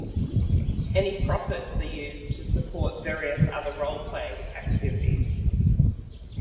Any profits are used to support various other role-playing activities.